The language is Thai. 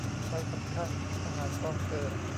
ใบสำคัญทหารกองเกิน